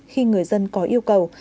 khi người dân có yêu cầu